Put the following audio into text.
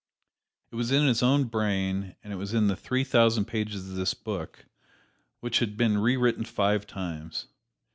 It was in his own brain, and it was in the three thousand pages of this book, which had been rewritten five times.